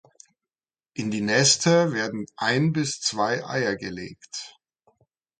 In die Nester werden ein bis zwei Eier gelegt.